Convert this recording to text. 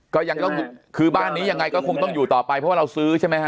ก็ยังต้องคือบ้านนี้ยังไงก็คงต้องอยู่ต่อไปเพราะว่าเราซื้อใช่ไหมฮ